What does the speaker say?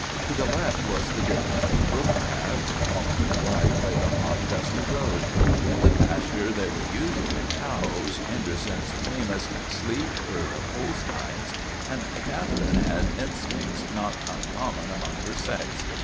To the left was the difficult brook path ; off to the right lay the hot, dusty road. In the pasture there were usually cows Henderson's famous, sleek herd of Holsteins and Catherine had instincts not uncommon among her sex.